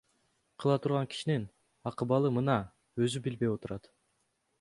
Кыла турган кишинин акыбалы мына, өзү билбей отурат.